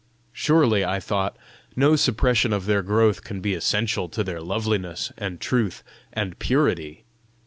Surely, I thought, no suppression of their growth can be essential to their loveliness and truth and purity!